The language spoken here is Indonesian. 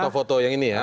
contoh foto yang ini ya